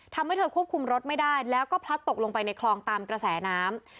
ทำให้เธอควบคุมรถไม่ได้แล้วก็พลัดตกลงไปในคลองตามกระแสน้ำ